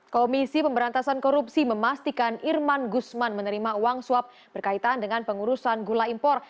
komisi pemberantasan korupsi memastikan irman gusman menerima uang suap berkaitan dengan pengurusan gula impor